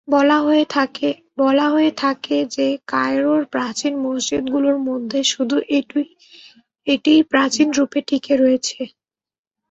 বলা হয়ে থাকে যে কায়রোর প্রাচীন মসজিদগুলোর মধ্যে শুধু এটিই প্রাচীন রূপে টিকে রয়েছে।